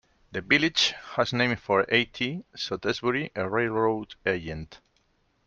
The village was named for E. T. Stotesbury, a railroad agent.